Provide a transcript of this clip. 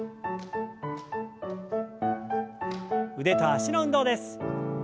腕と脚の運動です。